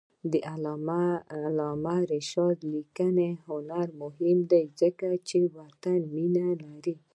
د علامه رشاد لیکنی هنر مهم دی ځکه چې وطن مینه لري.